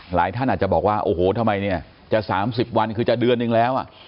ท่านอาจจะบอกว่าโอ้โหทำไมเนี่ยจะ๓๐วันคือจะเดือนนึงแล้ว